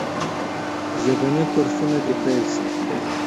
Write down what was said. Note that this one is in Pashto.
ژبني کورسونه دي پیل سي.